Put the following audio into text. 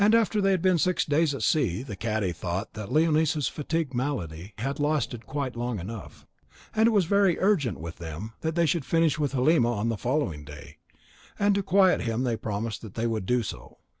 After they had been six days at sea the cadi thought that Leonisa's feigned malady had lasted quite long enough, and was very urgent with them that they should finish with Halima on the following day, and to quiet him they promised that they would do so.